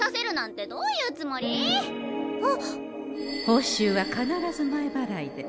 報酬は必ず前払いで。